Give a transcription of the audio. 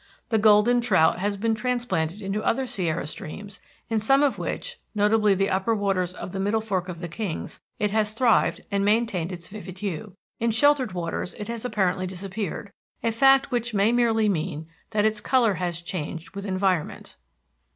The golden trout has been transplanted into other Sierra streams, in some of which, notably the open upper waters of the Middle Fork of the Kings, it has thrived and maintained its vivid hue. In sheltered waters it has apparently disappeared, a fact which may merely mean that its color has changed with environment.